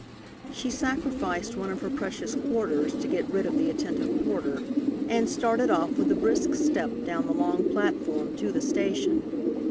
She sacrificed one of her precious quarters to get rid of the attentive porter, and started off with a brisk step down the long platform to the station.